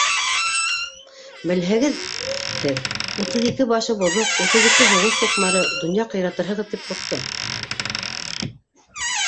- Белһәгеҙ, һеҙ, утыҙ ике башы боҙоҡ, утыҙ ике һуғыш суҡмары, донъя ҡыйратырһығыҙ, тип ҡурҡтым.